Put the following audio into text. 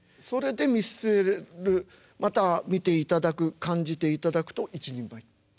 それで見せるまた見ていただく感じていただくと一人前。